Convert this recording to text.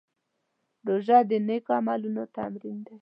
روژه د نېکو عملونو تمرین دی.